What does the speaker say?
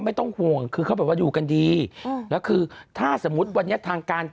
ไม่ต้องห่วงคือเขาแบบว่าอยู่กันดีอืมแล้วคือถ้าสมมุติวันนี้ทางการ